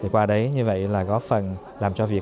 qua đấy như vậy là góp phần làm cho việc